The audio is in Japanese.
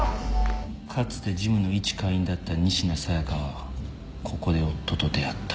かつてジムの一会員だった仁科紗耶香はここで夫と出会った。